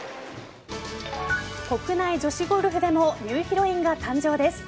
国内女子ゴルフでもニューヒロインが誕生です。